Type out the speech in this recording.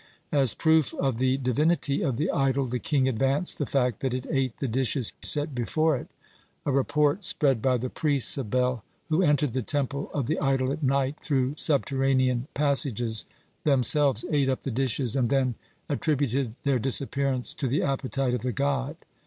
As proof of the divinity of the idol the king advanced the fact that it ate the dishes set before it, a report spread by the priests of Bel, who entered the Temple of the idol at night, through subterranean passages, themselves ate up the dishes, and then attributed their disappearance to the appetite of the god.